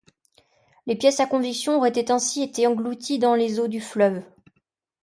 Les pièces à conviction auraient ainsi été englouties dans les eaux du fleuve.